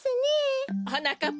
はなかっ